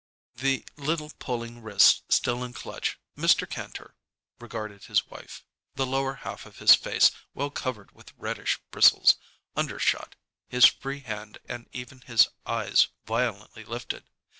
The little pulling wrist still in clutch, Mr. Kantor regarded his wife, the lower half of his face, well covered with reddish bristles, undershot, his free hand and even his eyes violently lifted.